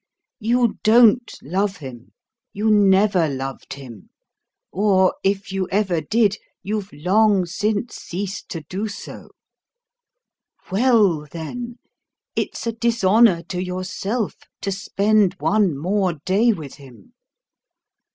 You don't love him you never loved him; or, if you ever did, you've long since ceased to do so. Well, then, it's a dishonour to yourself to spend one more day with him.